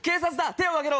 手を上げろ！